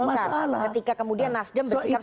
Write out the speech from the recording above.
gak masalah ketika kemudian nasdem bersikap seperti itu